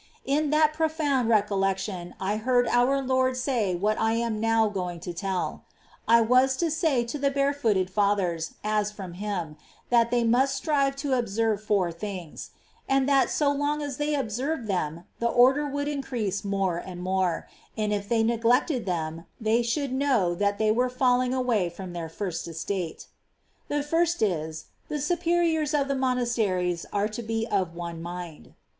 In that profound recollection I heard om^ Lord say what I am now going to tell : I was to say to the Barefooted Fathers, as from Him, that they must strive to observe four things ; and that so long as they observed them, the Order would increase more and more ; and if they neglected them, they should know that they were falling away from their first estate. The first is, the superiors of the monasteries are to be of one mind.